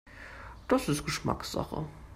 Das ist Geschmackssache.